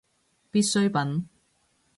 必需品